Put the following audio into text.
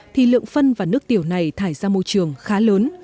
thì lượng phân và nước tiểu này thải ra môi trường khá lớn